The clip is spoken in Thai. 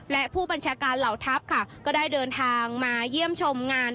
และผู้บัญชาการเหล่าทัพค่ะก็ได้เดินทางมาเยี่ยมชมงาน